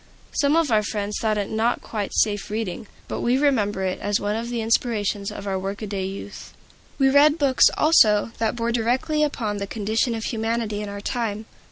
Some of our friends thought it not quite safe reading; but we remember it as one of the inspirations of our workaday youth. We read books, also, that bore directly upon the condition of humanity in our time.